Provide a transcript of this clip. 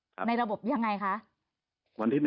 ในระบบยังไงคะ